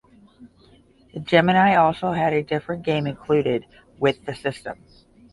The Gemini also had a different game included with the system.